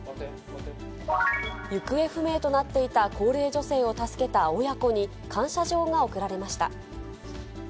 行方不明となっていた高齢女性を助けた親子に、感謝状が贈られました。